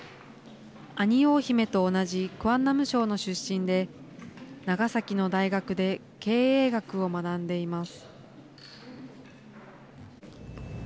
アニオー姫と同じクァンナム省の出身で長崎の大学で経営学を学んでいます。